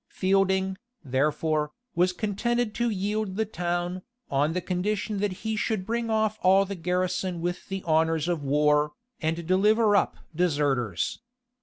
Fielding, therefore, was contented to yield the town, on condition that he should bring off all the garrison with the honors of war, and deliver up deserters.